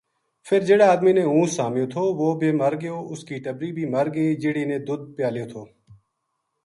فر جہیڑا آدمی نے ہوں سامیو تھو وہ بے مر گیو اُس کی ٹبری بھی مر گئی جہیڑی نے دودھ پیالیو تھو